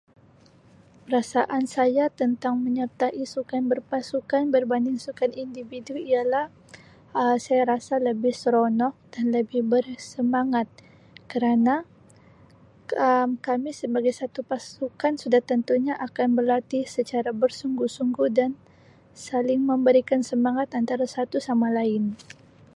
Perasaan saya tentang menyertai sukan berpasukan berbanding sukan individu ialah Um saya rasa lebih seronok dan lebih bersemangat kerana Um kami sebagai satu pasukan sudah tentunya akan berlatih secara bersungguh-sungguh dan saling mambarikan samangat antara satu sama lain.